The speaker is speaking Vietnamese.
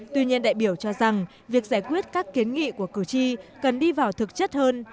tuy nhiên đại biểu cho rằng việc giải quyết các kiến nghị của cử tri cần đi vào thực chất hơn